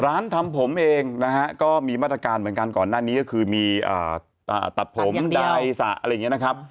ทำผมเองนะฮะก็มีมาตรการเหมือนกันก่อนหน้านี้ก็คือมีตัดผมได้สระอะไรอย่างนี้นะครับ